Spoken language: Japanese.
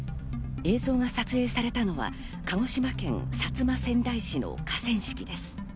映像が撮影されたのは鹿児島県薩摩川内市の河川敷です。